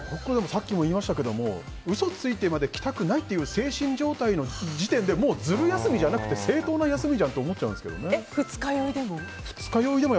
さっきも言いましたけど嘘ついてまで来たくないという精神状態の時点でもうズル休みじゃなくて正当な休みじゃんって二日酔いでも？